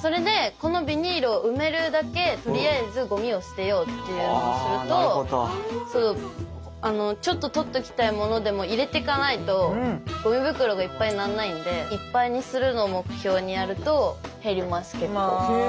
それでこのビニールを埋めるだけとりあえずゴミを捨てようっていうのをするとちょっと取っときたいものでも入れていかないとゴミ袋がいっぱいになんないんでいっぱいにするのを目標にやると減りますけど。